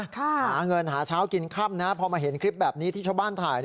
หาเงินหาเช้ากินค่ำนะพอมาเห็นคลิปแบบนี้ที่ชาวบ้านถ่าย